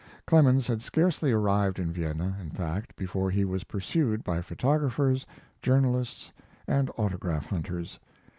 Clemens had scarcely arrived in Vienna, in fact, before he was pursued by photographers, journalists, and autograph hunters.